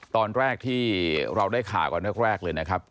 ตอนแรกที่เราได้ข่าวตอนแรกเลยนะครับ